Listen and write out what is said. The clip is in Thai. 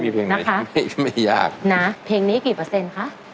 มีเพลงไหนก็ไม่ยากนะเพลงนี้กี่เปอร์เซ็นต์คะ